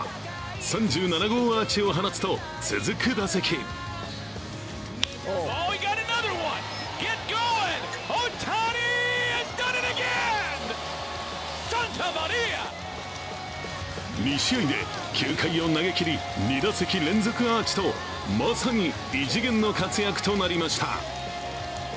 ３７号アーチを放つと、続く打席２試合で９回を投げきり、２打席連続アーチとまさに異次元の活躍となりました。